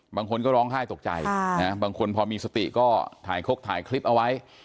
บางคนก็ร้องไห้ตกใจบางคนพอมีสติก็ถ่ายคกถ่ายคลิปเอาไว้